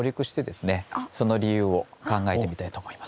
その理由を考えてみたいと思います。